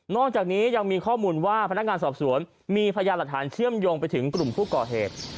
อกจากนี้ยังมีข้อมูลว่าพนักงานสอบสวนมีพยานหลักฐานเชื่อมโยงไปถึงกลุ่มผู้ก่อเหตุ